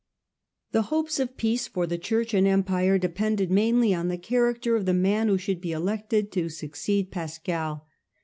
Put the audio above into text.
The hopes of peace for the Church and Empire depended mainly on the character of the man who should be elected criticni to succced Pascal.